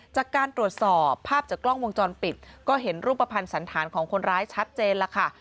จากการตรวจสอบภาพจากกล้องวงจรปิดก็เห็นรูปภัณฑ์สันธารของคนร้ายชัดเจนแล้วค่ะ